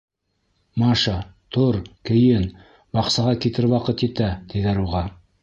— Маша, тор, кейен, баҡсаға китер ваҡыт етә, —тиҙәр уға.